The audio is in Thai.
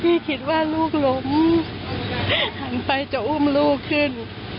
คิดว่าลูกล้มหันไปจะอุ้มลูกขึ้น